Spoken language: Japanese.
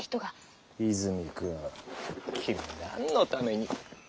泉くん君何のために。